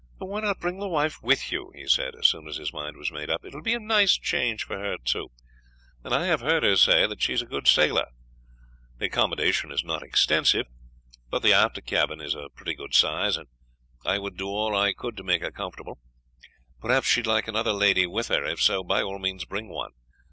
"Why not bring the wife with you?" he said, as soon as his mind was made up. "It will be a nice change for her too; and I have heard her say that she is a good sailor. The accommodation is not extensive, but the after cabin is a pretty good size, and I would do all I could to make her comfortable. Perhaps she would like another lady with her; if so by all means bring one.